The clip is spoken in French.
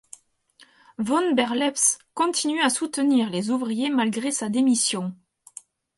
Von Berlepsch continue à soutenir les ouvriers malgré sa démission.